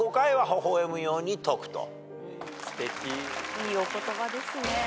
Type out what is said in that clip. いいお言葉ですね。